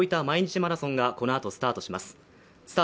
毎日マラソンがこのあとスタートします。